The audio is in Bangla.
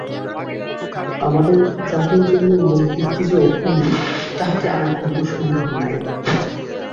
আমাদের জাতীয় জীবনের মূল ভিত্তি যে অক্ষুণ্ণ, তাহাতে আর কোন সন্দেহ নাই।